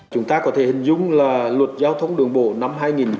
chúng ta có thể hình dung là luật giao thông đường bộ năm hai nghìn một mươi